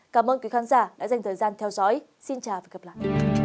cảm ơn các bạn đã theo dõi và hẹn gặp lại